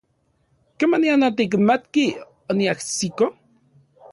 ¿Kemanian otikmatki oniajsiko?